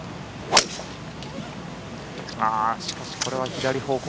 しかしこれは左方向